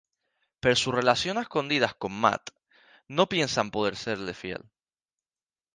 Pero su relación a escondidas con Matt, no piensa en poder serle fiel.